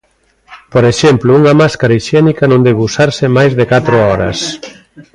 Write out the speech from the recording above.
Por exemplo, unha máscara hixiénica non debe usarse máis de catro horas.